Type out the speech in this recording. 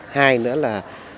hai nữa là